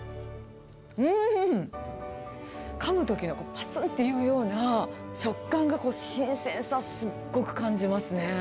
うーん、かむときのぱつんっていう食感が、新鮮さ、すっごく感じますね。